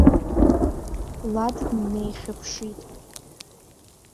Лад днеихьыԥшит.